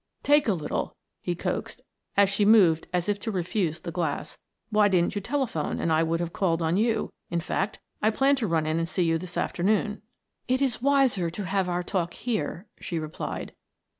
"Take a little," he coaxed as she moved as if to refuse the glass. "Why didn't you telephone and I would have called on you; in fact, I planned to run in and see you this afternoon. "It is wiser to have our talk here," she replied.